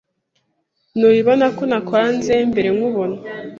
Ntubibona ko nakwanze mbere nkubona